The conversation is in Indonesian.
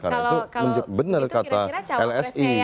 karena itu benar kata lsi